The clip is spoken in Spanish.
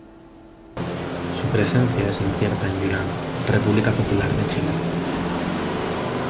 Su presencia es incierta en Yunnan, República Popular de China.